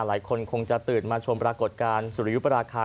หลายคนคงจะตื่นมาชมปรากฏการณ์สุริยุปราคา